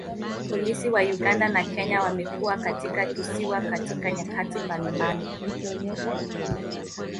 Polisi wa Uganda na Kenya wamekuwa katika kisiwa katika nyakati mbalimbali.